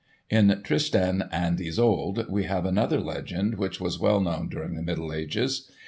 In "Tristan and Isolde" we have another legend which was well known during the Middle Ages.